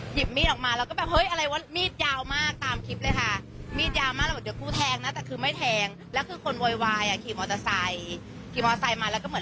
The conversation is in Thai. หยิบมีดออกมาแล้วก็แบบ